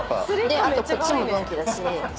あとこっちもドンキだし。